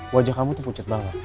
wajah kamu tuh pucat banget